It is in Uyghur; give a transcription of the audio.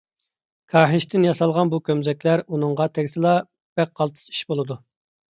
كاھىشتىن ياسالغان بۇ كومزەكلەر ئۇنىڭغا تەگسىلا بەك قالتىس ئىش بولىدۇ.